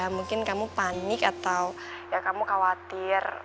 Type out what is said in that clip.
mungkin kamu panik atau ya kamu khawatir